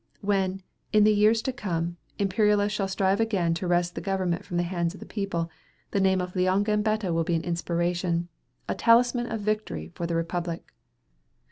When, in the years to come, imperialists shall strive again to wrest the government from the hands of the people, the name of Leon Gambetta will be an inspiration, a talisman of victory for the Republic.